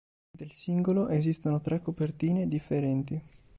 Del singolo esistono tre copertine differenti.